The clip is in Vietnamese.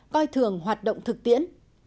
coi thường hoạt động thực tiễn